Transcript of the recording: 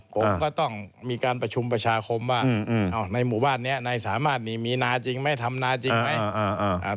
ผมก็ต้องมีการประชุมประชาคมว่าในหมู่บ้านนี้นายสามารถนี่มีนาจริงไหมทำนาจริงไหม